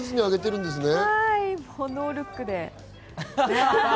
ノールックで。